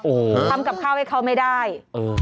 โอ้โหทำกับข้าวให้เขาไม่ได้เออ